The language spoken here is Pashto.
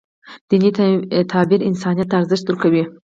دیني تعبیر انسانیت ته ارزښت ورکوي.